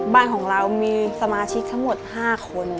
บ้านของเรามีสมาชิกทั้งหมด๕คน